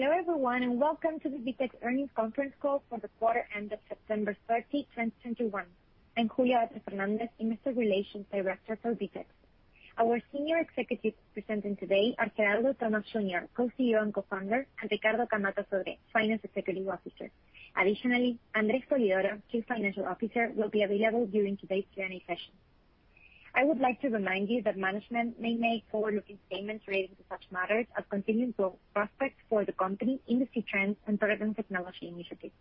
Hello everyone, and welcome to the VTEX Earnings Conference Call for the quarter ended September 30, 2021. I'm Julia Vater Fernández, Investor Relations Director for VTEX. Our senior executives presenting today are Geraldo Thomaz Jr., Co-CEO and Co-founder, and Ricardo Camatta Sodré, Finance Executive Officer. Additionally, Andre Spolidoro, Chief Financial Officer, will be available during today's Q&A session. I would like to remind you that management may make forward-looking statements relating to such matters as continuing growth prospects for the company, industry trends, and relevant technology initiatives.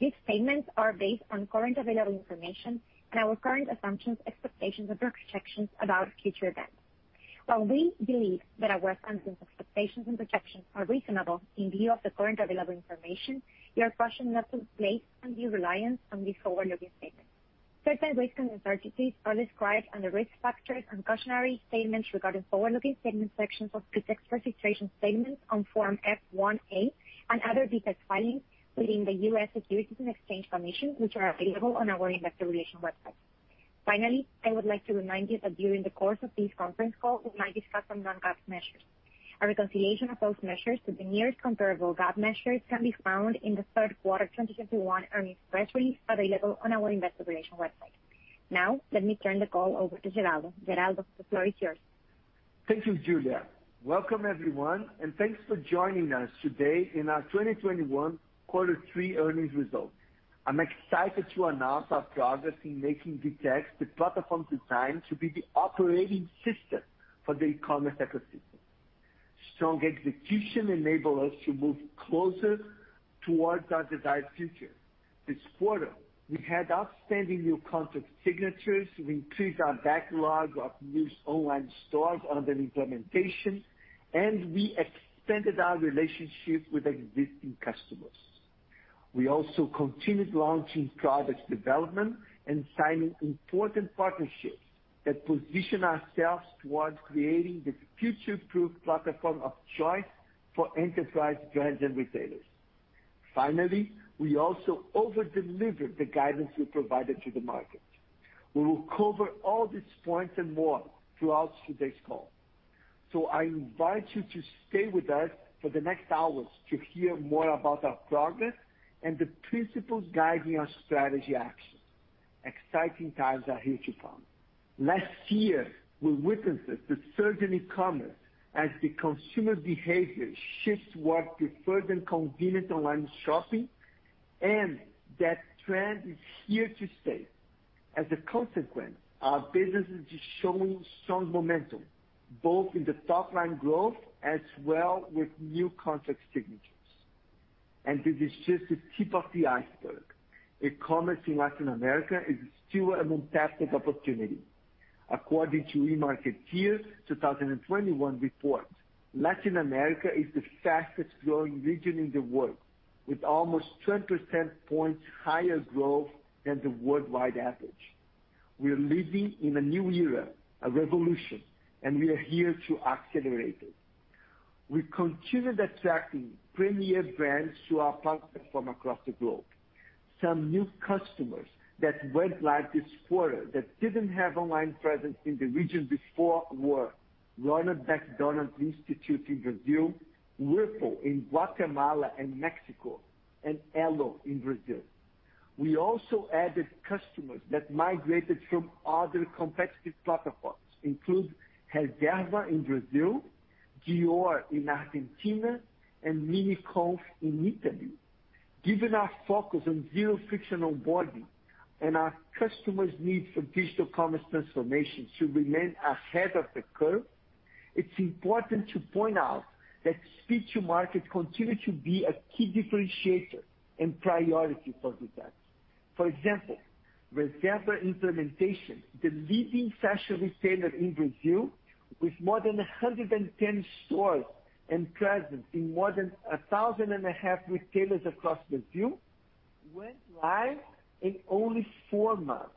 These statements are based on currently available information and our current assumptions, expectations, and projections about future events. While we believe that our assumptions, expectations and projections are reasonable in view of the current available information, you are cautioned not to place undue reliance on these forward-looking statements. Certain risks and uncertainties are described under Risk Factors and Cautionary Statements Regarding Forward-Looking Statements sections of VTEX registration statements on Form F-1/A and other VTEX filings with the U.S. Securities and Exchange Commission, which are available on our investor relations website. Finally, I would like to remind you that during the course of this conference call, we might discuss some non-GAAP measures. A reconciliation of those measures to the nearest comparable GAAP measures can be found in the third quarter 2021 earnings press release available on our investor relations website. Now, let me turn the call over to Geraldo. Geraldo, the floor is yours. Thank you, Julia. Welcome everyone, and thanks for joining us today in our 2021 quarter three earnings results. I'm excited to announce our progress in making VTEX the platform designed to be the operating system for the commerce ecosystem. Strong execution enable us to move closer towards our desired future. This quarter, we had outstanding new contract signatures. We increased our backlog of new online stores under implementation, and we extended our relationship with existing customers. We also continued launching product development and signing important partnerships that position ourselves towards creating the future-proof platform of choice for enterprise brands and retailers. Finally, we also over-delivered the guidance we provided to the market. We will cover all these points and more throughout today's call. I invite you to stay with us for the next hours to hear more about our progress and the principles guiding our strategy actions. Exciting times are here to come. Last year, we witnessed the surge in e-commerce as the consumer behavior shifts towards the more convenient online shopping, and that trend is here to stay. As a consequence, our business is showing strong momentum, both in the top line growth as well with new contract signatures. This is just the tip of the iceberg. E-commerce in Latin America is still an untapped opportunity. According to eMarketer 2021 report, Latin America is the fastest growing region in the world, with almost 10 percentage points higher growth than the worldwide average. We are living in a new era, a revolution, and we are here to accelerate it. We continued attracting premier brands to our platform from across the globe. Some new customers that went live this quarter that didn't have online presence in the region before were Instituto Ronald McDonald in Brazil, Ripley in Guatemala and Mexico, and Elo in Brazil. We also added customers that migrated from other competitive platforms, including Reserva in Brazil, Dior in Argentina, and Miniconf in Italy. Given our focus on zero-friction onboarding and our customers' need for digital commerce transformation to remain ahead of the curve, it's important to point out that speed to market continued to be a key differentiator and priority for VTEX. For example, Reserva implementation, the leading fashion retailer in Brazil with more than 110 stores and presence in more than 1,500 retailers across Brazil went live in only four months.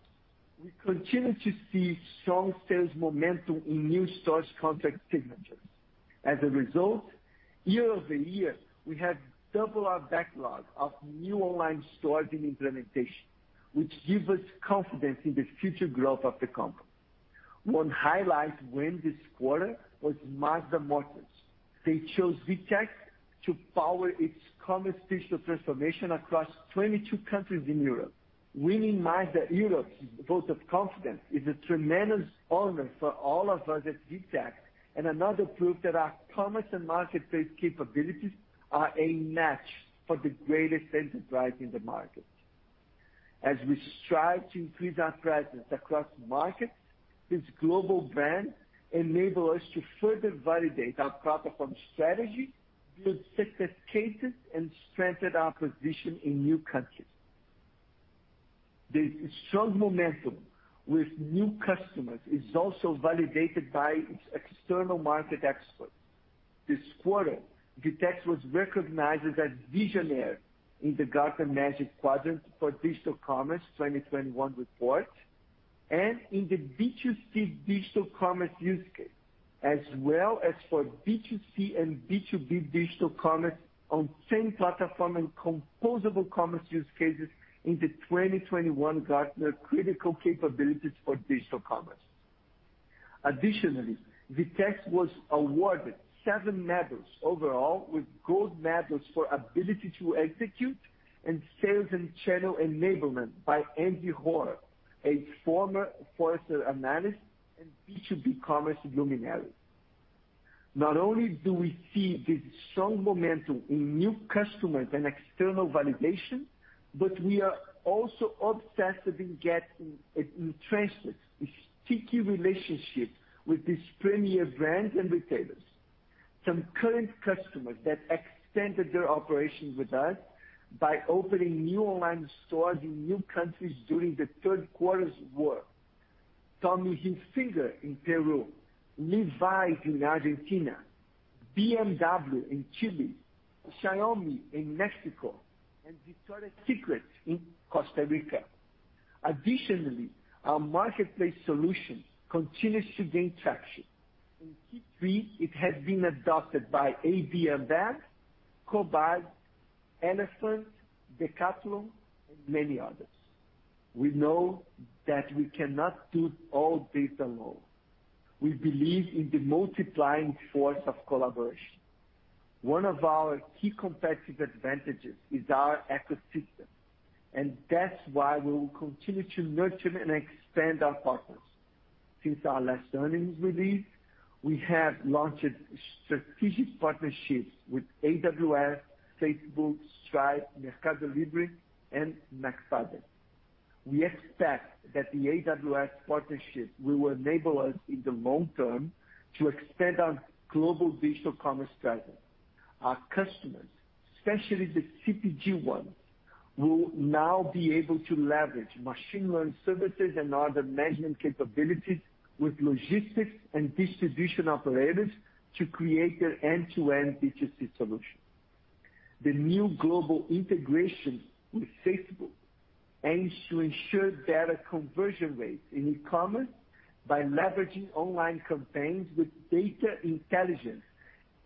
We continue to see strong sales momentum in new stores contract signatures. As a result, year-over-year, we have double our backlog of new online stores in implementation, which give us confidence in the future growth of the company. One highlight win this quarter was Mazda Motors. They chose VTEX to power its commerce digital transformation across 22 countries in Europe. Winning Mazda Motor Europe's vote of confidence is a tremendous honor for all of us at VTEX, and another proof that our commerce and marketplace capabilities are a match for the greatest enterprises in the market. As we strive to increase our presence across markets, this global brand enable us to further validate our platform strategy with success cases and strengthen our position in new countries. The strong momentum with new customers is also validated by external market experts. This quarter, VTEX was recognized as a visionary in the Gartner Magic Quadrant for Digital Commerce 2021 report and in the B2C digital commerce use case, as well as for B2C and B2B digital commerce on same platform and composable commerce use cases in the 2021 Gartner Critical Capabilities for Digital Commerce. Additionally, VTEX was awarded seven medals overall with gold medals for ability to execute and sales and channel enablement by Andy Hoar, a former Forrester analyst and B2B commerce luminary. Not only do we see this strong momentum in new customers and external validation, but we are also obsessed with getting an entrenched sticky relationship with these premier brands and retailers. Some current customers that extended their operations with us by opening new online stores in new countries during the third quarter were Tommy Hilfiger in Peru, Levi's in Argentina, BMW in Chile, Xiaomi in Mexico and Victoria's Secret in Costa Rica. Additionally, our marketplace solution continues to gain traction. In Q3, it has been adopted by AB InBev, Cobasi, Elefant, Decathlon and many others. We know that we cannot do all this alone. We believe in the multiplying force of collaboration. One of our key competitive advantages is our ecosystem, and that's why we will continue to nurture and expand our partners. Since our last earnings release, we have launched strategic partnerships with AWS, Facebook, Stripe, Mercado Libre and McFadyen. We expect that the AWS partnership will enable us in the long term to expand our global digital commerce presence. Our customers, especially the CPG ones, will now be able to leverage machine learning services and other management capabilities with logistics and distribution operators to create their end-to-end B2C solution. The new global integration with Facebook aims to ensure better conversion rates in e-commerce by leveraging online campaigns with data intelligence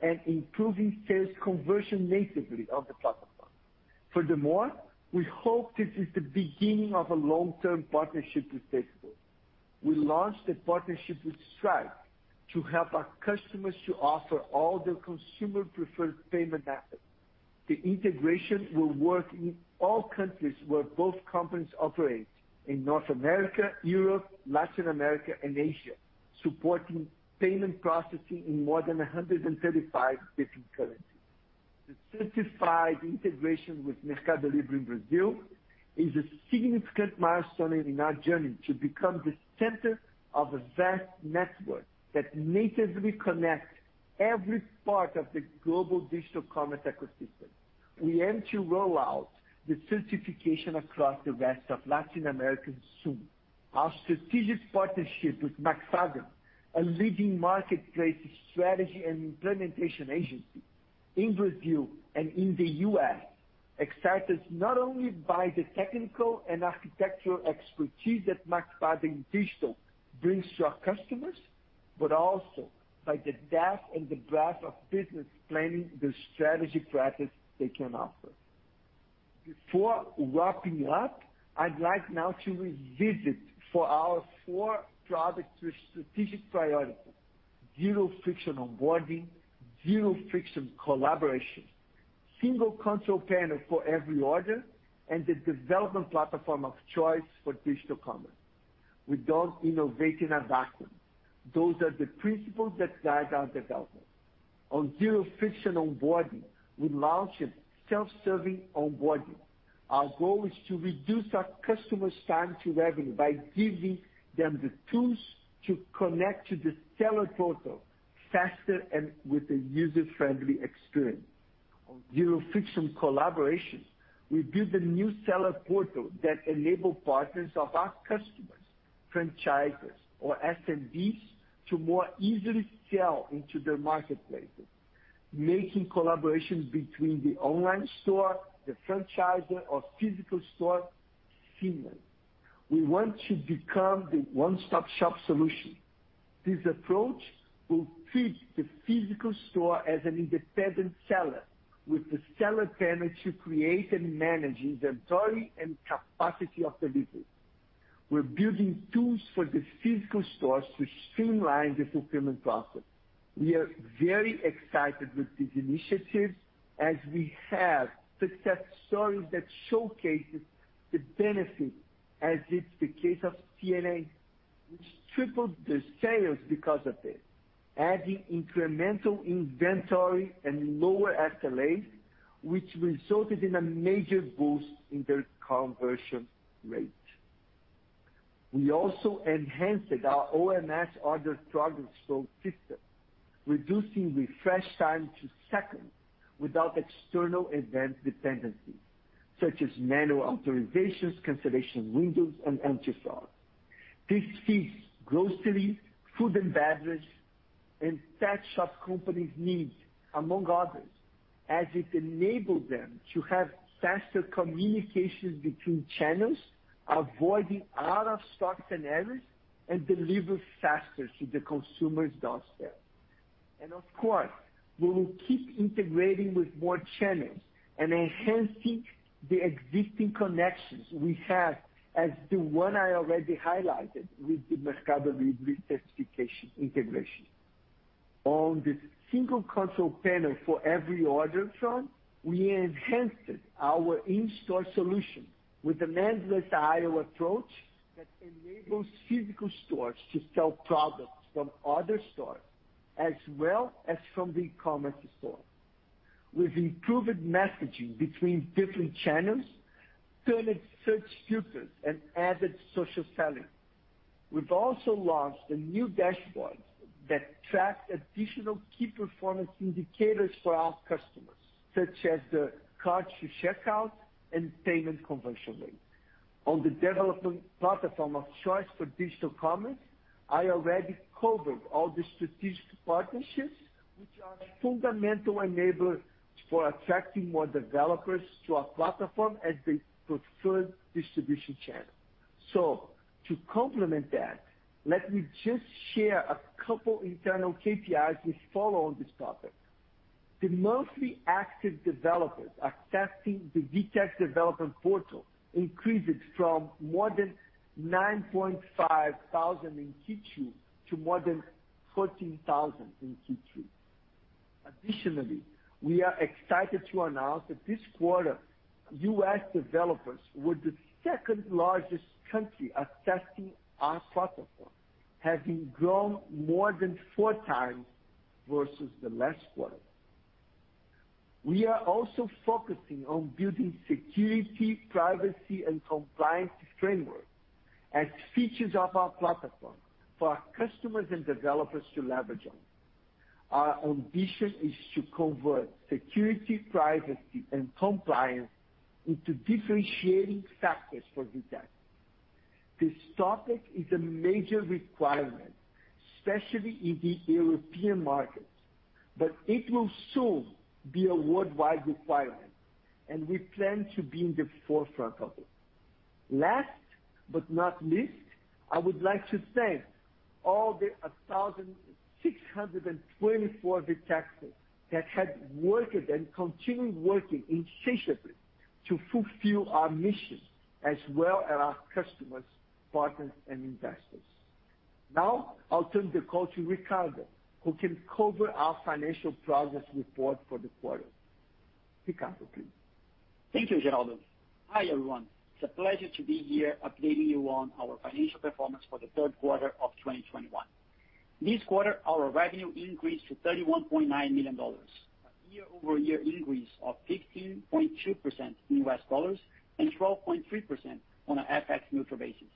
and improving sales conversion natively on the platform. Furthermore, we hope this is the beginning of a long-term partnership with Facebook. We launched a partnership with Stripe to help our customers to offer all their consumer preferred payment methods. The integration will work in all countries where both companies operate in North America, Europe, Latin America and Asia, supporting payment processing in more than 135 different currencies. The certified integration with Mercado Libre in Brazil is a significant milestone in our journey to become the center of a vast network that natively connects every part of the global digital commerce ecosystem. We aim to roll out the certification across the rest of Latin America soon. Our strategic partnership with McFadyen, a leading marketplace strategy and implementation agency in Brazil and in the U.S. excites us not only by the technical and architectural expertise that McFadyen Digital brings to our customers, but also by the depth and the breadth of business planning, the strategy practice they can offer. Before wrapping up, I'd like now to revisit our four product strategic priorities. Zero friction onboarding, zero friction collaboration, single control panel for every order, and the development platform of choice for digital commerce. We don't innovate in a vacuum. Those are the principles that guide our development. On zero friction onboarding, we launched self-service onboarding. Our goal is to reduce our customers' time to revenue by giving them the tools to connect to the Seller Portal faster and with a user-friendly experience. On zero friction collaborations, we built a new Seller Portal that enables partners of our customers, franchisees or SMBs to more easily sell into their marketplaces, making collaborations between the online store, the franchisee or physical store seamless. We want to become the one-stop-shop solution. This approach will treat the physical store as an independent seller with the Seller Panel to create and manage inventory and capacity of delivery. We're building tools for the physical stores to streamline the fulfillment process. We are very excited with these initiatives as we have success stories that showcases the benefit, as is the case of C&A, which tripled their sales because of this, adding incremental inventory and lower SLA, which resulted in a major boost in their conversion rate. We also enhanced our OMS order progress flow system, reducing refresh time to seconds without external event dependencies such as manual authorizations, cancellation windows, and anti-fraud. This fits grocery, food and beverage, and tech shop companies needs, among others, as it enabled them to have faster communications between channels, avoiding out-of-stocks and errors, and deliver faster to the consumer's doorstep. Of course, we will keep integrating with more channels and enhancing the existing connections we have as the one I already highlighted with the Mercado Libre certification integration. On the single console panel for every storefront, we enhanced our in-store solution with a headless IO approach that enables physical stores to sell products from other stores, as well as from the e-commerce store. We've improved messaging between different channels, tuned search filters, and added social selling. We've also launched a new dashboard that tracks additional key performance indicators for our customers, such as the cart to checkout and payment conversion rate. On the development platform of choice for digital commerce, I already covered all the strategic partnerships which are fundamental enablers for attracting more developers to our platform as the preferred distribution channel. To complement that, let me just share a couple internal KPIs we follow on this topic. The monthly active developers accessing the VTEX development portal increased from more than 9,500 in Q2 to more than 14,000 in Q3. Additionally, we are excited to announce that this quarter, U.S. developers were the second-largest country accessing our platform, having grown more than four times versus the last quarter. We are also focusing on building security, privacy, and compliance framework as features of our platform for our customers and developers to leverage on. Our ambition is to convert security, privacy, and compliance into differentiating factors for VTEX. This topic is a major requirement, especially in the European market, but it will soon be a worldwide requirement, and we plan to be in the forefront of it. Last but not least, I would like to thank all the 1,624 VTEXans that had worked and continue working insatiably to fulfill our mission as well as our customers, partners, and investors. Now I'll turn the call to Ricardo, who can cover our financial progress report for the quarter. Ricardo, please. Thank you, Geraldo. Hi, everyone. It's a pleasure to be here updating you on our financial performance for the third quarter of 2021. This quarter, our revenue increased to $31.9 million, a year-over-year increase of 15.2% in U.S. dollars and 12.3% on an FX neutral basis,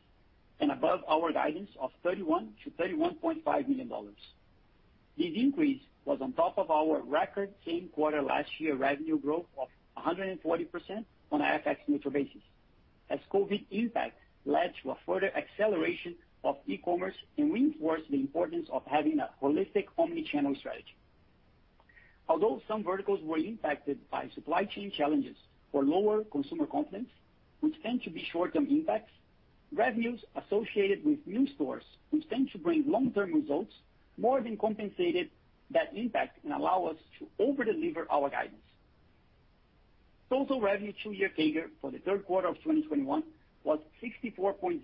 and above our guidance of $31 million-$31.5 million. This increase was on top of our record same quarter last year revenue growth of 140% on a FX neutral basis, as COVID impact led to a further acceleration of e-commerce and reinforced the importance of having a holistic omnichannel strategy. Although some verticals were impacted by supply chain challenges or lower consumer confidence, which tend to be short-term impacts, revenues associated with new stores, which tend to bring long-term results, more than compensated that impact and allow us to over-deliver our guidance. Total revenue two-year CAGR for the third quarter of 2021 was 64.0%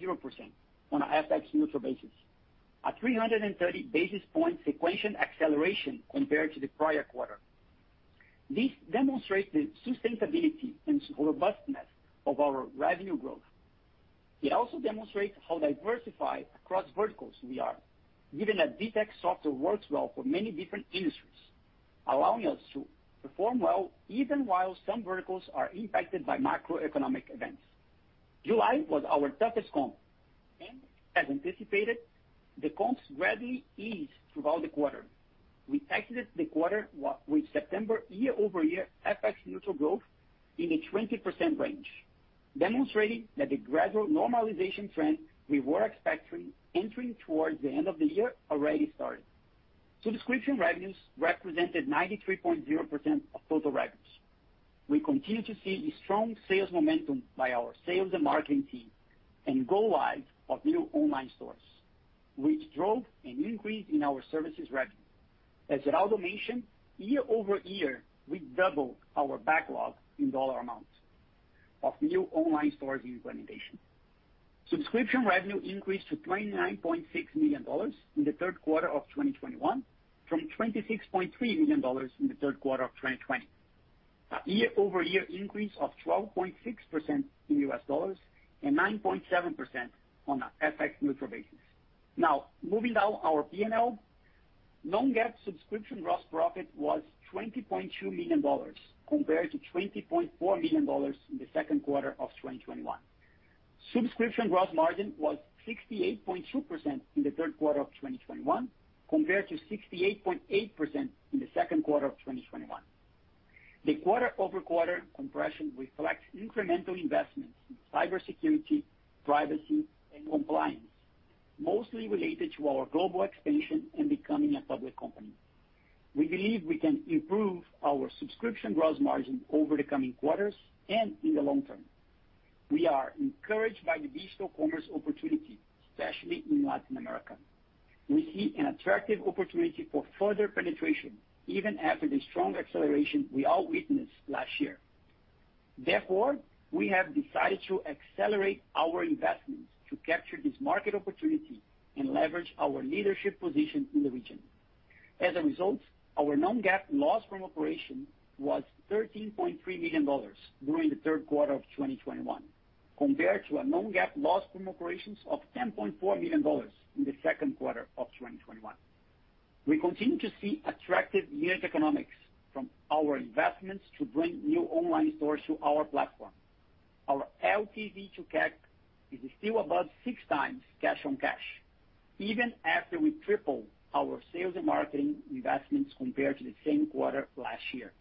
on a FX neutral basis, a 330 basis point sequential acceleration compared to the prior quarter. This demonstrates the sustainability and robustness of our revenue growth. It also demonstrates how diversified across verticals we are, given that VTEX software works well for many different industries, allowing us to perform well even while some verticals are impacted by macroeconomic events. July was our toughest comp, and as anticipated, the comps gradually eased throughout the quarter. We exited the quarter with September year-over-year FX neutral growth in the 20% range, demonstrating that the gradual normalization trend we were expecting entering towards the end of the year already started. Subscription revenues represented 93.0% of total revenues. We continue to see a strong sales momentum by our sales and marketing team and go live of new online stores, which drove an increase in our services revenue. As Geraldo mentioned, year-over-year, we doubled our backlog in dollar amount of new online stores implementation. Subscription revenue increased to $29.6 million in the third quarter of 2021 from $26.3 million in the third quarter of 2020. A year-over-year increase of 12.6% in U.S. dollars and 9.7% on a FX neutral basis. Now, moving down our P&L. Non-GAAP subscription gross profit was $20.2 million compared to $20.4 million in the second quarter of 2021. Subscription gross margin was 68.2% in the third quarter of 2021 compared to 68.8% in the second quarter of 2021. The quarter-over-quarter compression reflects incremental investments in cybersecurity, privacy, and compliance, mostly related to our global expansion and becoming a public company. We believe we can improve our subscription gross margin over the coming quarters and in the long term. We are encouraged by the digital commerce opportunity, especially in Latin America. We see an attractive opportunity for further penetration even after the strong acceleration we all witnessed last year. Therefore, we have decided to accelerate our investments to capture this market opportunity and leverage our leadership position in the region. As a result, our non-GAAP loss from operations was $13.3 million during the third quarter of 2021 compared to a non-GAAP loss from operations of $10.4 million in the second quarter of 2021. We continue to see attractive unit economics from our investments to bring new online stores to our platform. Our LTV to CAC is still above 6x cash on cash, even after we tripled our sales and marketing investments compared to the same quarter last year.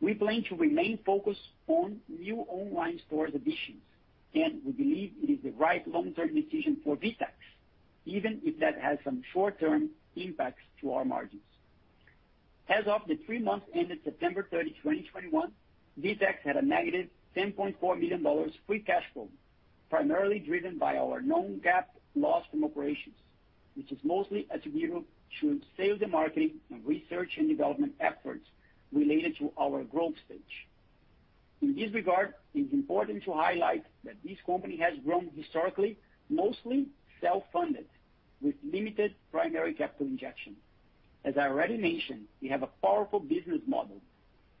We plan to remain focused on new online store additions, and we believe it is the right long-term decision for VTEX, even if that has some short-term impacts to our margins. As of the three months ended September 30, 2021, VTEX had a -$10.4 million free cash flow, primarily driven by our non-GAAP loss from operations, which is mostly attributable to sales and marketing and research and development efforts related to our growth stage. In this regard, it's important to highlight that this company has grown historically, mostly self-funded, with limited primary capital injection. As I already mentioned, we have a powerful business model.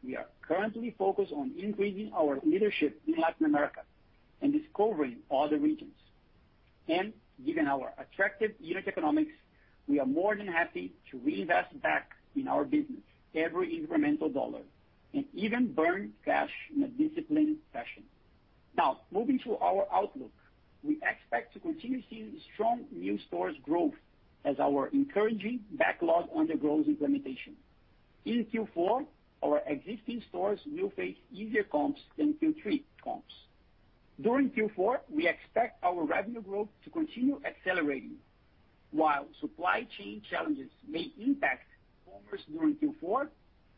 We are currently focused on increasing our leadership in Latin America and discovering other regions. Given our attractive unit economics, we are more than happy to reinvest back in our business every incremental dollar and even burn cash in a disciplined fashion. Now moving to our outlook. We expect to continue seeing strong new stores growth as our encouraging backlog on the growth implementation. In Q4, our existing stores will face easier comps than Q3 comps. During Q4, we expect our revenue growth to continue accelerating. While supply chain challenges may impact commerce during Q4,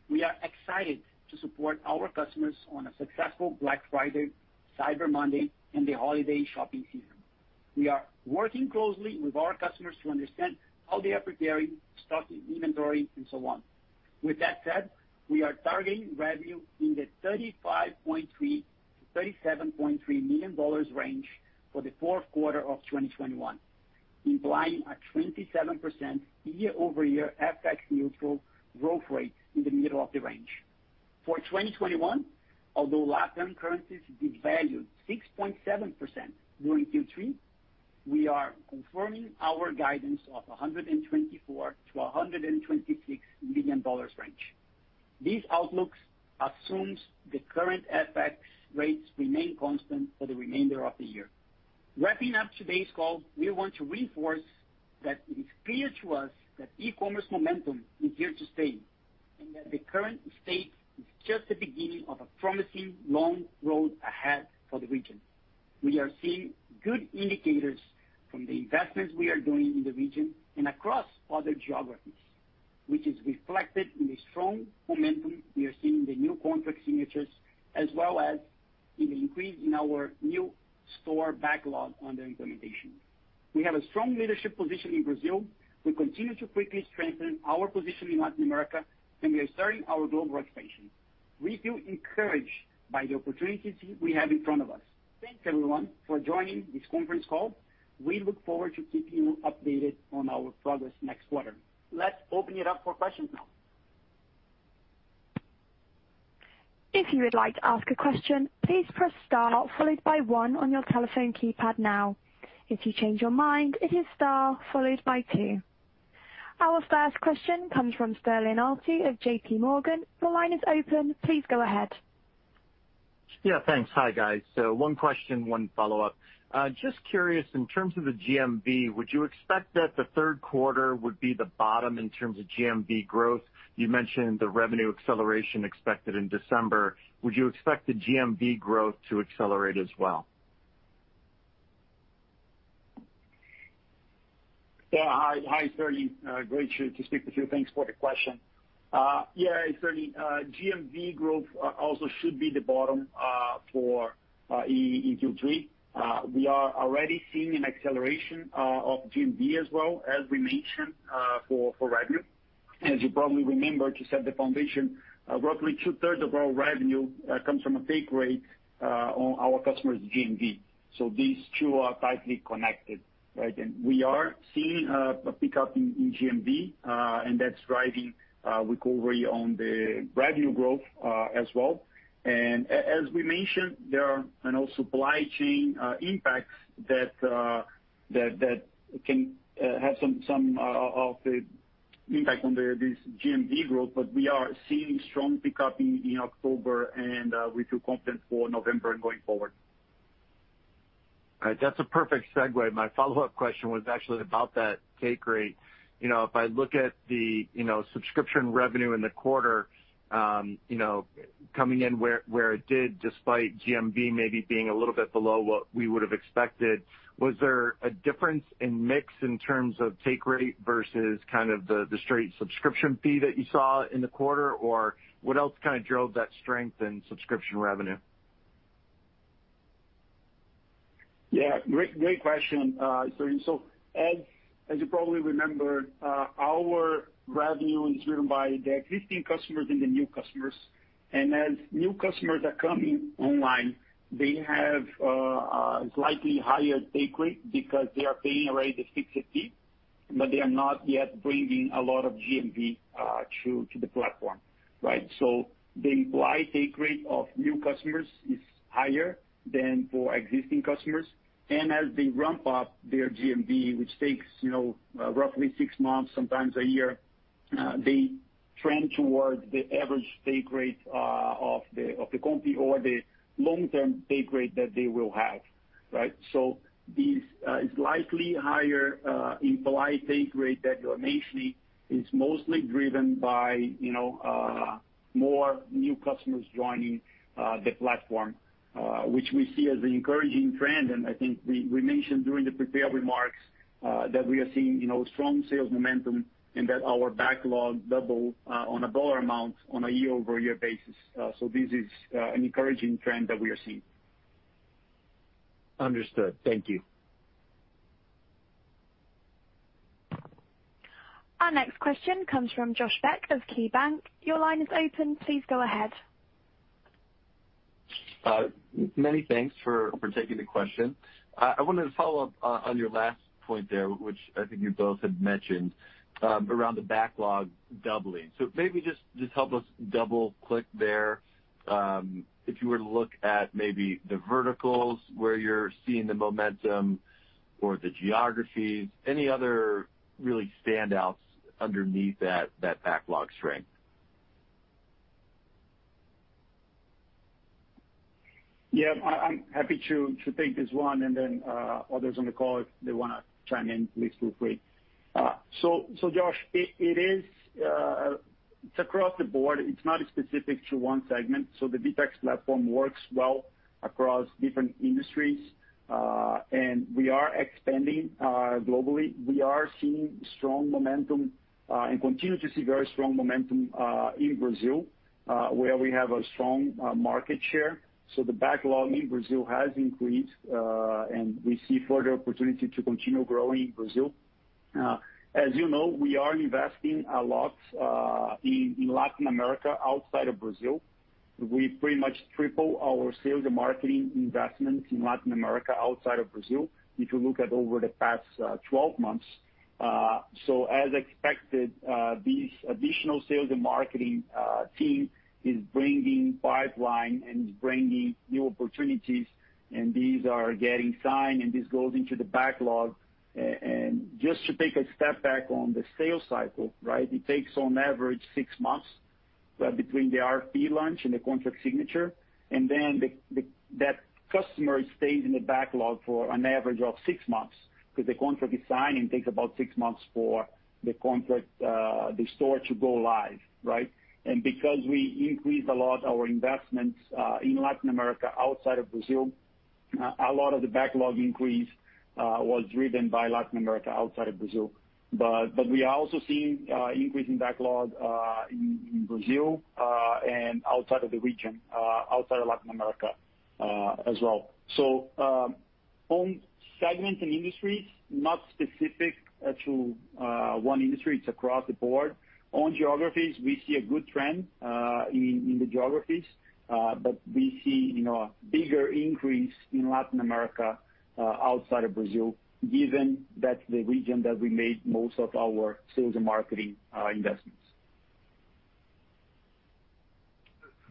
we are excited to support our customers on a successful Black Friday, Cyber Monday, and the holiday shopping season. We are working closely with our customers to understand how they are preparing stock inventory, and so on. With that said, we are targeting revenue in the $35.3 million-$37.3 million range for the fourth quarter of 2021, implying a 27% year-over-year FX neutral growth rate in the middle of the range. For 2021, although LatAm currencies devalued 6.7% during Q3, we are confirming our guidance of a $124 million-$126 million range. These outlooks assume the current FX rates remain constant for the remainder of the year. Wrapping up today's call, we want to reinforce that it is clear to us that e-commerce momentum is here to stay, and that the current state is just the beginning of a promising long road ahead for the region. We are seeing good indicators from the investments we are doing in the region and across other geographies, which is reflected in the strong momentum we are seeing in the new contract signatures, as well as in the increase in our new store backlog under implementation. We have a strong leadership position in Brazil. We continue to quickly strengthen our position in Latin America, and we are starting our global expansion. We feel encouraged by the opportunities we have in front of us. Thanks, everyone, for joining this conference call. We look forward to keeping you updated on our progress next quarter. Let's open it up for questions now. If you would like to ask a question, please press star followed by one on your telephone keypad. Now, if you change your mind, press star followed by two. Our first question comes from Sterling Auty of JPMorgan. Your line is open. Please go ahead. Yeah, thanks. Hi, guys. One question, one follow-up. Just curious, in terms of the GMV, would you expect that the third quarter would be the bottom in terms of GMV growth? You mentioned the revenue acceleration expected in December. Would you expect the GMV growth to accelerate as well? Yeah. Hi, Sterling. Great to speak with you. Thanks for the question. Yeah, certainly, GMV growth also should be the bottom in Q3. We are already seeing an acceleration of GMV as well as we mentioned for revenue. As you probably remember, to set the foundation, roughly 2/3 of our revenue comes from a take rate on our customers' GMV. So these two are tightly connected, right? We are seeing a pickup in GMV, and that's driving recovery on the revenue growth as well. As we mentioned, there are, you know, supply chain impacts that can have some of the impact on this GMV growth. We are seeing strong pickup in October, and we feel confident for November and going forward. All right. That's a perfect segue. My follow-up question was actually about that take rate. You know, if I look at the, you know, subscription revenue in the quarter, you know, coming in where it did despite GMV maybe being a little bit below what we would have expected, was there a difference in mix in terms of take rate versus kind of the straight subscription fee that you saw in the quarter? Or what else kind of drove that strength in subscription revenue? Yeah. Great question, Sterling. As you probably remember, our revenue is driven by the existing customers and the new customers. New customers are coming online, they have a slightly higher take rate because they are paying already the fixed fee, but they are not yet bringing a lot of GMV to the platform, right? The implied take rate of new customers is higher than for existing customers. As they ramp up their GMV, which takes, you know, roughly six months, sometimes a year, they trend towards the average take rate of the company or the long-term take rate that they will have, right? These slightly higher implied take rate that you're mentioning is mostly driven by, you know, more new customers joining the platform, which we see as an encouraging trend. I think we mentioned during the prepared remarks that we are seeing, you know, strong sales momentum and that our backlog doubled on a dollar amount on a year-over-year basis. This is an encouraging trend that we are seeing. Understood. Thank you. Our next question comes from Josh Beck of KeyBanc. Your line is open. Please go ahead. Many thanks for taking the question. I wanted to follow up on your last point there, which I think you both had mentioned around the backlog doubling. Maybe just help us double-click there. If you were to look at maybe the verticals where you're seeing the momentum or the geographies, any other really standouts underneath that backlog strength. Yeah. I'm happy to take this one, and then others on the call, if they wanna chime in, please feel free. Josh, it is across the board. It's not specific to one segment. The VTEX platform works well across different industries, and we are expanding globally. We are seeing strong momentum and continue to see very strong momentum in Brazil, where we have a strong market share. The backlog in Brazil has increased, and we see further opportunity to continue growing in Brazil. As you know, we are investing a lot in Latin America outside of Brazil. We pretty much triple our sales and marketing investment in Latin America outside of Brazil, if you look at over the past 12 months. As expected, these additional sales and marketing team is bringing pipeline and new opportunities, and these are getting signed, and this goes into the backlog. Just to take a step back on the sales cycle, right? It takes on average six months between the RFP launch and the contract signature. That customer stays in the backlog for an average of six months 'cause the contract is signed, and it takes about six months for the contract, the store to go live, right? Because we increased a lot our investments in Latin America outside of Brazil, a lot of the backlog increase was driven by Latin America outside of Brazil. We are also seeing increase in backlog in Brazil and outside of the region outside of Latin America as well. On segments and industries, not specific to one industry. It's across the board. On geographies, we see a good trend in the geographies, but we see, you know, a bigger increase in Latin America outside of Brazil, given that's the region that we made most of our sales and marketing investments.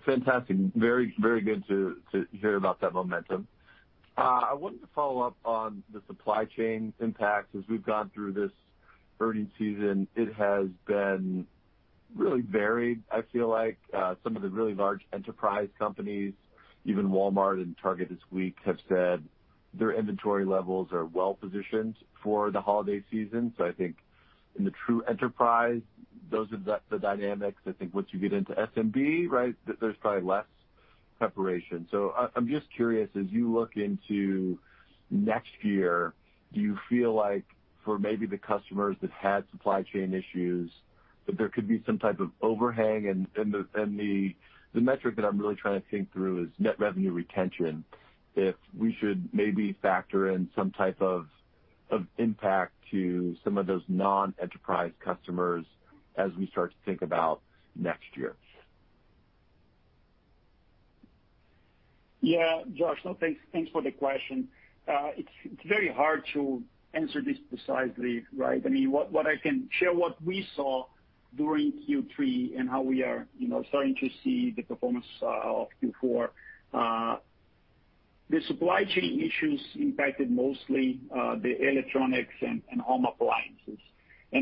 Fantastic. Very, very good to hear about that momentum. I wanted to follow up on the supply chain impact. As we've gone through this earnings season, it has been really varied, I feel like. Some of the really large enterprise companies, even Walmart and Target this week, have said their inventory levels are well-positioned for the holiday season. I think in the true enterprise, those are the dynamics. I think once you get into SMB, right, there's probably less preparation. I'm just curious, as you look into next year, do you feel like for maybe the customers that had supply chain issues, that there could be some type of overhang? The metric that I'm really trying to think through is net revenue retention, if we should maybe factor in some type of impact to some of those non-enterprise customers as we start to think about next year. Yeah. Josh, thanks for the question. It's very hard to answer this precisely, right? I mean, what I can share is what we saw during Q3 and how we are, you know, starting to see the performance of Q4. The supply chain issues impacted mostly the electronics and home appliances.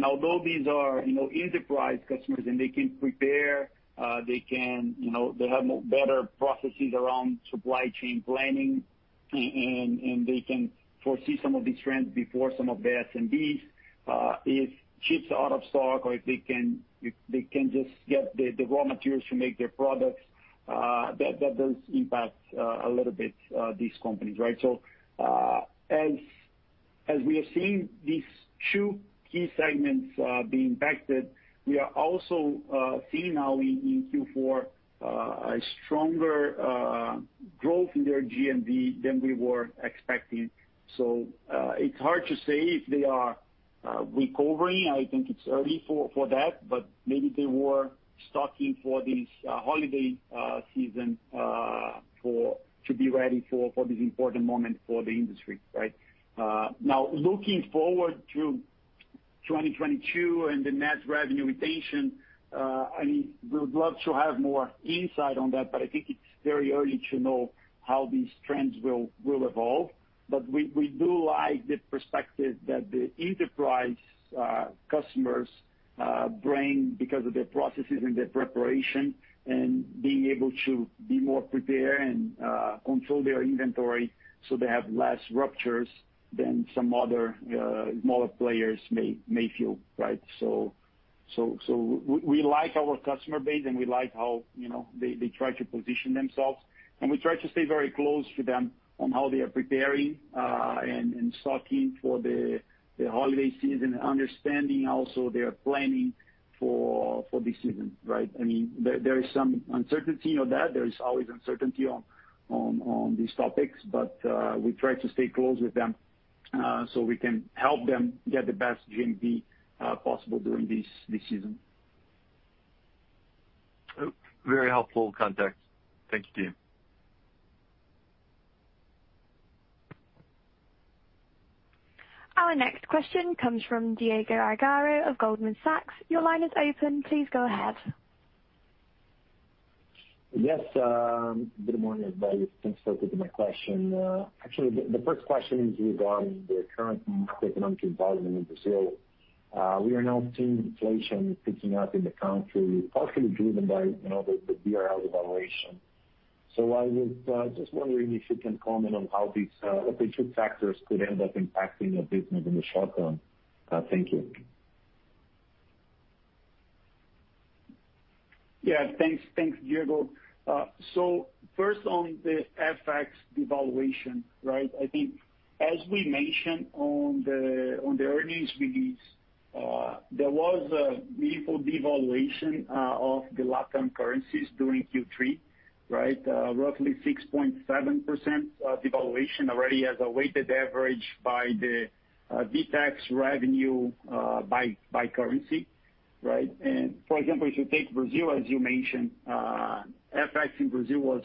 Although these are, you know, enterprise customers and they can prepare, they can, you know, they have more better processes around supply chain planning and they can foresee some of these trends before some of the SMBs, if chips are out of stock or if they can just get the raw materials to make their products, that does impact a little bit these companies, right? We have seen these two key segments be impacted, we are also seeing now in Q4 a stronger growth in their GMV than we were expecting. It's hard to say if they are recovering. I think it's early for that, but maybe they were stocking for this holiday season to be ready for this important moment for the industry, right? Now, looking forward to 2022 and the net revenue retention, I mean, we would love to have more insight on that, but I think it's very early to know how these trends will evolve. We do like the perspective that the enterprise customers bring because of their processes and their preparation, and being able to be more prepared and control their inventory so they have less ruptures than some other smaller players may feel, right? We like our customer base and we like how, you know, they try to position themselves. We try to stay very close to them on how they are preparing and stocking for the holiday season, understanding also their planning for this season, right? I mean, there is some uncertainty on that. There is always uncertainty on these topics. We try to stay close with them so we can help them get the best GMV possible during this season. Very helpful context. Thank you, team. Our next question comes from Diego Aragão of Goldman Sachs. Your line is open. Please go ahead. Yes. Good morning, everybody. Thanks for taking my question. Actually, the first question is on the current economic environment in Brazil. We are now seeing inflation picking up in the country, partially driven by, you know, the BRL devaluation. I was just wondering if you can comment on how these potential factors could end up impacting your business in the short term. Thank you. Thanks, Diego. First on the FX devaluation, right? I think as we mentioned on the earnings release, there was a meaningful devaluation of the LatAm currencies during Q3, right? Roughly 6.7% devaluation already as a weighted average by the VTEX revenue by currency, right? For example, if you take Brazil, as you mentioned, FX in Brazil was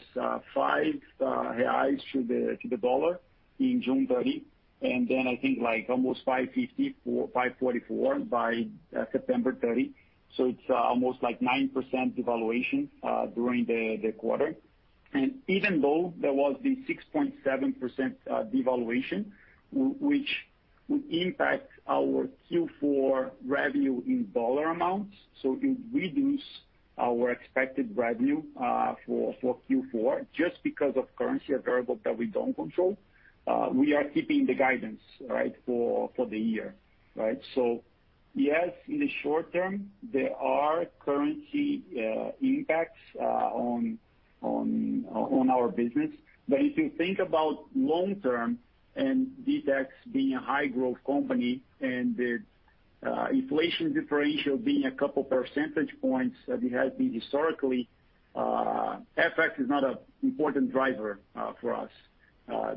5 reais to the dollar in June 30, and then I think like 5.44 by September 30. It's almost like 9% devaluation during the quarter. Even though there was the 6.7% devaluation, which would impact our Q4 revenue in dollar amounts, so it reduce our expected revenue for Q4 just because of currency, a variable that we don't control, we are keeping the guidance, right, for the year, right? Yes, in the short term, there are currency impacts on our business. If you think about long term and VTEX being a high growth company and the inflation differential being a couple percentage points that it has been historically, FX is not a important driver for us.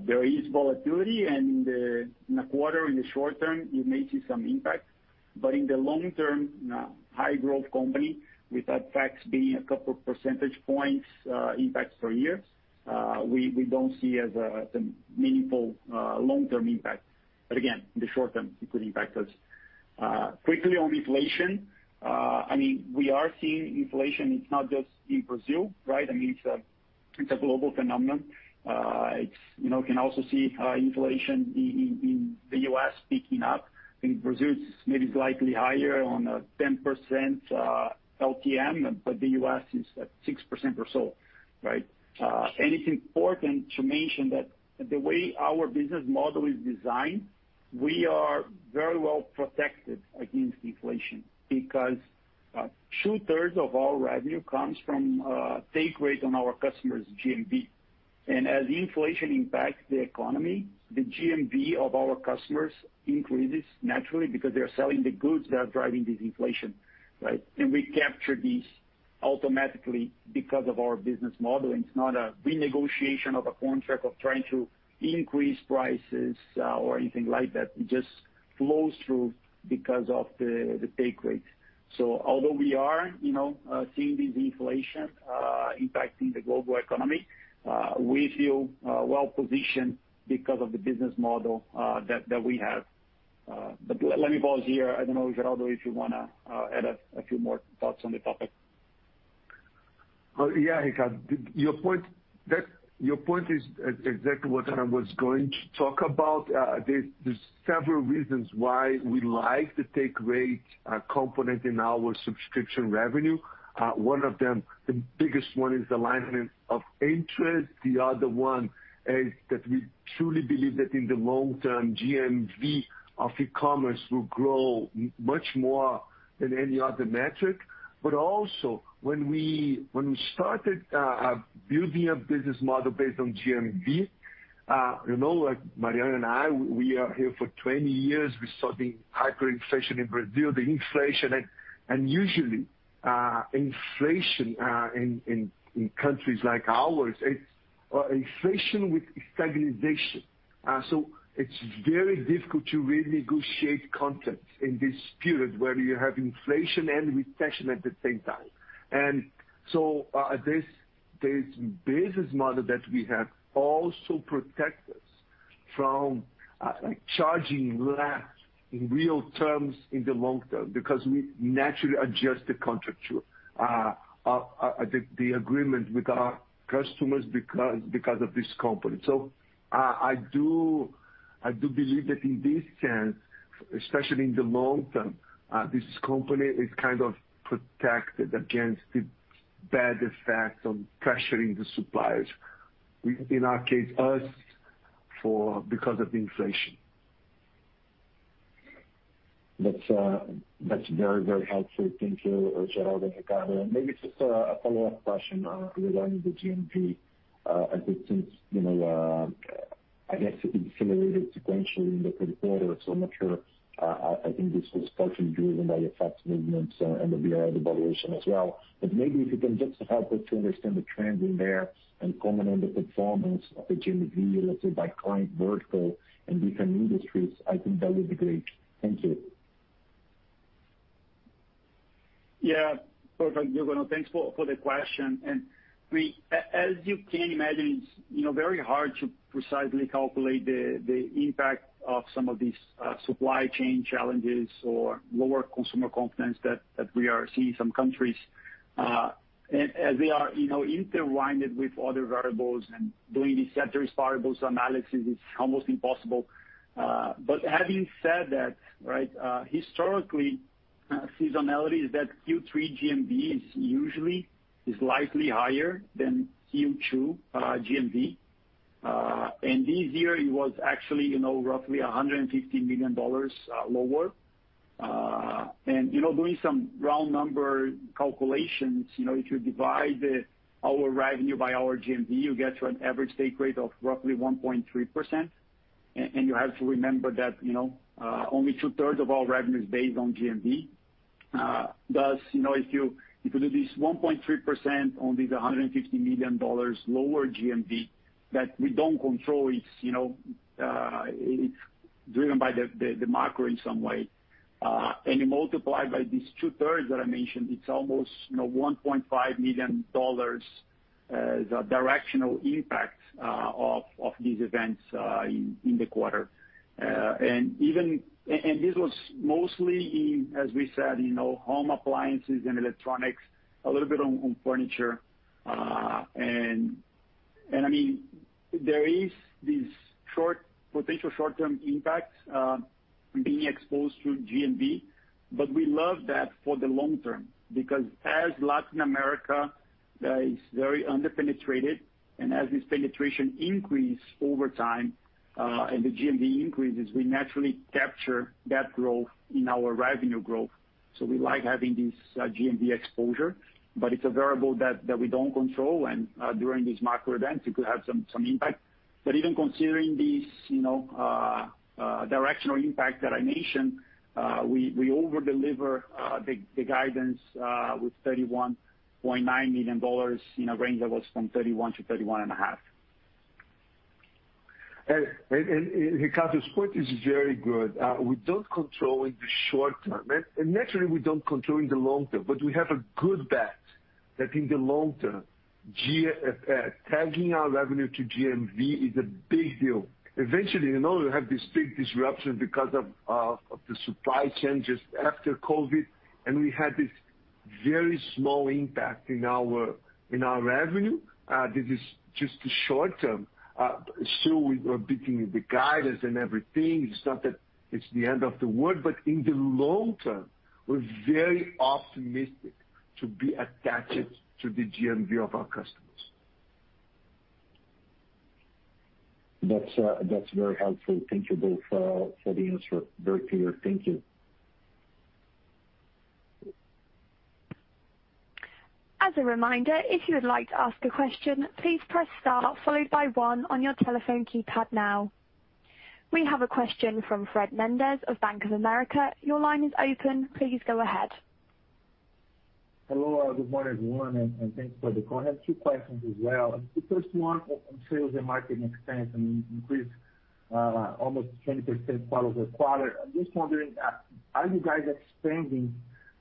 There is volatility in the quarter, in the short term, you may see some impact. In the long term, high growth company with FX being a couple percentage points impacts per year, we don't see as some meaningful long term impact. Again, in the short term it could impact us. Quickly on inflation, I mean, we are seeing inflation. It's not just in Brazil, right? I mean, it's a global phenomenon. You know, can also see inflation in the U.S. picking up. In Brazil it's maybe slightly higher on 10% LTM, but the U.S. is at 6% or so, right? It's important to mention that the way our business model is designed, we are very well protected against inflation because 2/3 of our revenue comes from take rate on our customers' GMV. As inflation impacts the economy, the GMV of our customers increases naturally because they are selling the goods that are driving this inflation, right? We capture these automatically because of our business model. It's not a renegotiation of a contract of trying to increase prices, or anything like that. It just flows through because of the take rate. Although we are, you know, seeing this inflation impacting the global economy, we feel well positioned because of the business model that we have. Let me pause here. I don't know, Geraldo, if you wanna add a few more thoughts on the topic. Well, yeah, Ricardo. Your point is exactly what I was going to talk about. There's several reasons why we like the take rate component in our subscription revenue. One of them, the biggest one is alignment of interest. The other one is that we truly believe that in the long term, GMV of e-commerce will grow much more than any other metric. Also when we started building a business model based on GMV, you know, Mariano and I, we are here for 20 years. We saw the hyperinflation in Brazil, the inflation. Usually inflation in countries like ours, it's stagflation. So it's very difficult to renegotiate contracts in this period where you have inflation and recession at the same time. This business model that we have also protects us from charging less in real terms in the long term, because we naturally adjust the contract to the agreement with our customers because of this company. I do believe that in this sense, especially in the long term, this company is kind of protected against the bad effects of pressuring the suppliers in our case because of inflation. That's very helpful. Thank you, Geraldo and Ricardo. Maybe just a follow-up question around the GMV. I think since, you know, I guess it accelerated sequentially in the third quarter, so I'm not sure. I think this was partially driven by your FX movements and the BRL devaluation as well. Maybe if you can just help us to understand the trends in there and comment on the performance of the GMV related by client vertical and different industries, I think that would be great. Thank you. Yeah, perfect. No, thanks for the question. As you can imagine, it's very hard to precisely calculate the impact of some of these supply chain challenges or lower consumer confidence that we are seeing in some countries, as they are, you know, intertwined with other variables and doing these sector variables analysis is almost impossible. But having said that, historically, seasonality is such that Q3 GMV is usually is slightly higher than Q2 GMV. This year it was actually, you know, roughly $150 million lower. Doing some round number calculations, you know, if you divide our revenue by our GMV, you get to an average take rate of roughly 1.3%. You have to remember that, you know, only 2/3 of our revenue is based on GMV. Thus, you know, if you do this 1.3% on these $150 million lower GMV that we don't control, it's, you know, it's driven by the macro in some way. You multiply by these 2/3 that I mentioned, it's almost, you know, $1.5 million as a directional impact of these events in the quarter. Even this was mostly in, as we said, you know, home appliances and electronics, a little bit on furniture. I mean, there is these potential short-term impacts, being exposed to GMV, but we love that for the long term, because as Latin America is very under-penetrated, and as this penetration increase over time, and the GMV increases, we naturally capture that growth in our revenue growth. We like having this, GMV exposure, but it's a variable that we don't control. During these macro events, it could have some impact. Even considering these, you know, directional impact that I mentioned, we over-deliver the guidance with $31.9 million in a range that was from $31 million-$31.5 million. Ricardo's point is very good. We don't control in the short term, naturally, we don't control in the long term, but we have a good bet that in the long term, tying our revenue to GMV is a big deal. Eventually, you know, we have this big disruption because of the supply chain just after COVID, and we had this very small impact in our revenue. This is just the short term. Still we are beating the guidance and everything. It's not that it's the end of the world, but in the long term, we're very optimistic to be attached to the GMV of our customers. That's very helpful. Thank you both for the answer. Very clear. Thank you. As a reminder, if you would like to ask a question, please press star followed by one on your telephone keypad now. We have a question from Fred Mendes of Bank of America. Your line is open. Please go ahead. Hello, good morning, everyone, and thanks for the call. I have two questions as well. The first one on sales and marketing expense, I mean, increased almost 20% quarter-over-quarter. I'm just wondering, are you guys expanding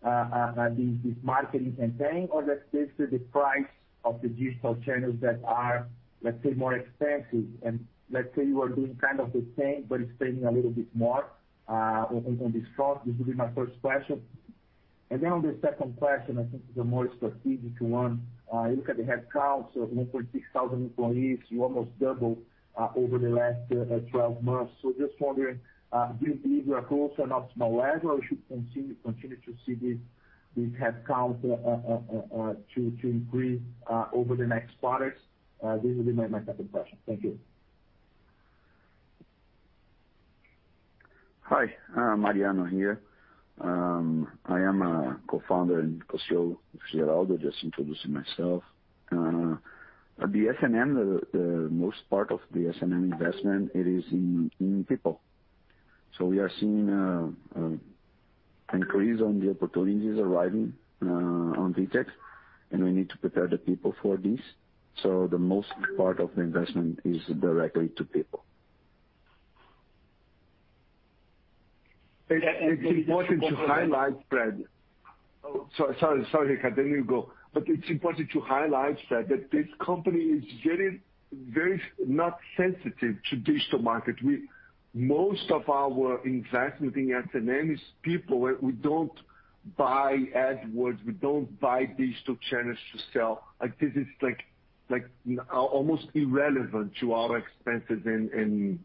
this marketing campaign or that's just the price of the digital channels that are, let's say, more expensive and let's say you are doing kind of the same but spending a little bit more on this front? This will be my first question. Then on the second question, I think the more strategic one, you look at the headcounts of 9,600 employees. You almost doubled over the last 12 months. Just wondering, do you believe you are close to an optimal level or should continue to see this headcount to increase over the next quarters? This will be my second question. Thank you. Hi, Mariano here. I am a Co-founder and Co-CEO with Geraldo. Just introducing myself. The S&M, the most part of the S&M investment, it is in people. We are seeing an increase in the opportunities arriving on VTEX, and we need to prepare the people for this. The most part of the investment is directly to people. It's important to highlight, Fred. Oh, sorry, Ricardo. You go. It's important to highlight, Fred, that this company is very not sensitive to digital marketing. Most of our investment in S&M is people. We don't buy AdWords. We don't buy digital channels to sell. Like, this is like almost irrelevant to our expenses in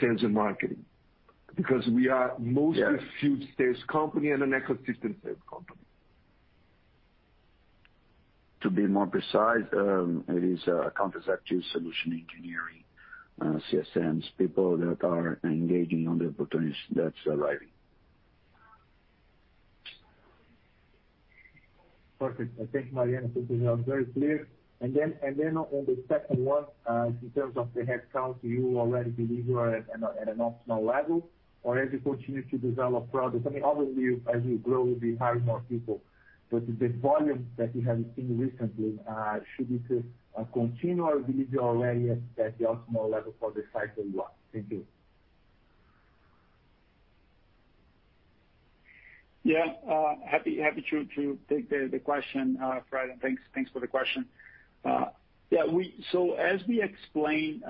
terms of marketing. Because we are mostly- Yeah. Sales company and an ecosystem sales company. To be more precise, it is account executive solution engineering, CSMs, people that are engaging on the opportunities that's arriving. Perfect. I think Mariano put this out very clear. On the second one, in terms of the headcount, you already believe you are at an optimal level or as you continue to develop products. I mean, obviously as you grow, you'll be hiring more people. The volume that we have seen recently, should it continue or believe you're already at an optimal level for the size that you are? Thank you. Yeah. Happy to take the question, Fred, and thanks for the question. As we explained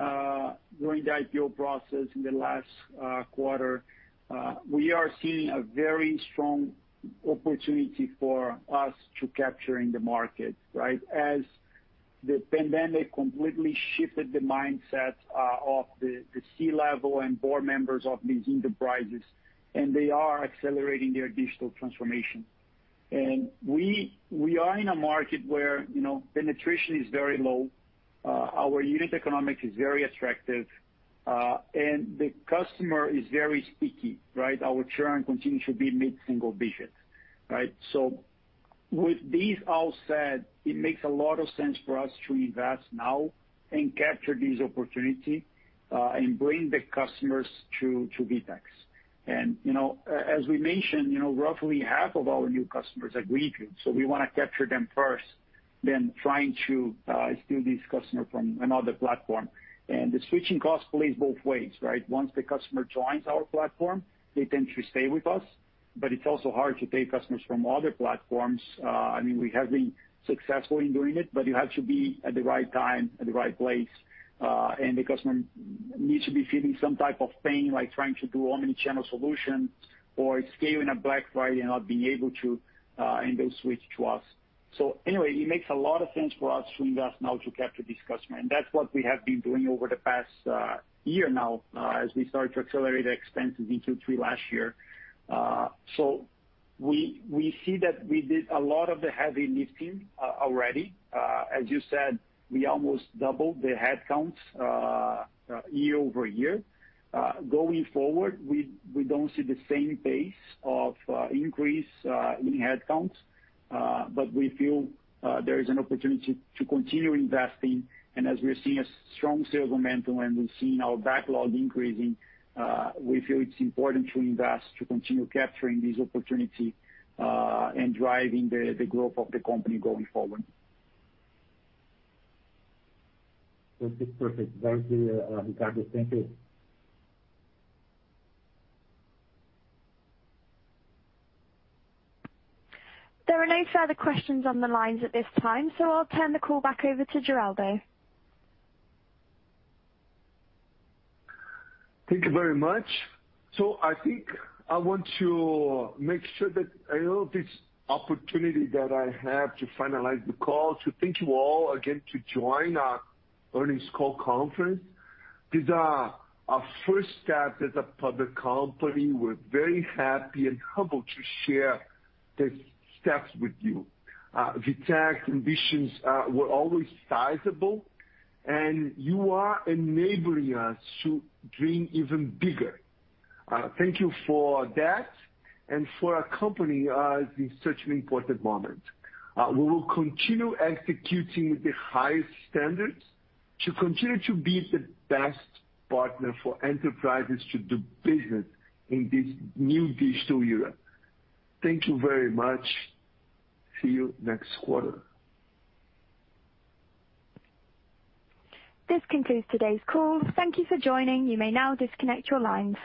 during the IPO process in the last quarter, we are seeing a very strong opportunity for us to capture in the market, right? As the pandemic completely shifted the mindset of the C-level and board members of these enterprises, and they are accelerating their digital transformation. We are in a market where, you know, penetration is very low. Our unit economics is very attractive, and the customer is very sticky, right? Our churn continues to be mid-single digits, right? With this all said, it makes a lot of sense for us to invest now and capture this opportunity, and bring the customers to VTEX. You know, as we mentioned, you know, roughly half of our new customers are greenfield, so we wanna capture them first than trying to steal these customers from another platform. The switching cost plays both ways, right? Once the customer joins our platform, they tend to stay with us, but it's also hard to take customers from other platforms. I mean, we have been successful in doing it, but you have to be at the right time, at the right place, and the customer needs to be feeling some type of pain, like trying to do omnichannel solution or scaling a Black Friday and not being able to, and they'll switch to us. Anyway, it makes a lot of sense for us to invest now to capture this customer, and that's what we have been doing over the past year now, as we started to accelerate our expense in Q3 last year. We see that we did a lot of the heavy lifting already. As you said, we almost doubled the headcounts year-over-year. Going forward, we don't see the same pace of increase in headcounts, but we feel there is an opportunity to continue investing. As we're seeing a strong sales momentum and we're seeing our backlog increasing, we feel it's important to invest to continue capturing this opportunity and driving the growth of the company going forward. Okay. Perfect. Thanks, Ricardo. Thank you. There are no further questions on the lines at this time, so I'll turn the call back over to Geraldo. Thank you very much. I think I want to make sure that I use this opportunity that I have to finalize the call to thank you all again to join our earnings call conference. This is our first step as a public company. We're very happy and humbled to share the steps with you. VTEX ambitions were always sizable, and you are enabling us to dream even bigger. Thank you for that and for accompanying us in such an important moment. We will continue executing the highest standards to continue to be the best partner for enterprises to do business in this new digital era. Thank you very much. See you next quarter. This concludes today's call. Thank you for joining. You may now disconnect your lines.